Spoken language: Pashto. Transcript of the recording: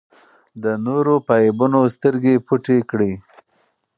د نورو په عیبونو سترګې پټې کړئ.